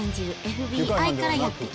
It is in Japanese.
ＦＢＩからやってきた